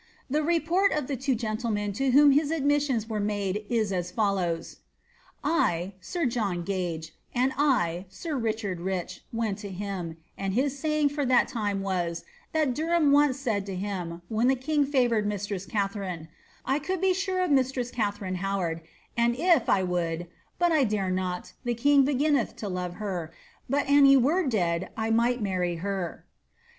The report of the two gentlemen to whom his admissions were made is as follows :^ I, sir John Gage, and I, sir Richard Rich, went to him, and his saying for that time was, that Der ham once said to him, when the king favoured mistress Katharine, ^ I could be sure of mistress Katharine Howard an' (if) I would, biit I^dare not, the king beginneth to love her, but an' he were dead I might marry her."